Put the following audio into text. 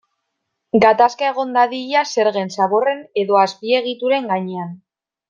Gatazka egon dadila zergen, zaborren edo azpiegituren gainean.